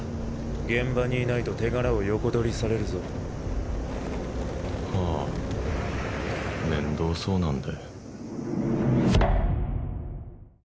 現場にいないと手柄を横取りされるぞはあ面倒そうなんで